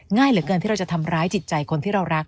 ง่ายเหลือเกินที่เราจะทำร้ายจิตใจคนที่เรารัก